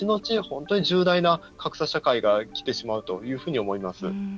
本当に重大な格差社会がきてしまうというふうに思います。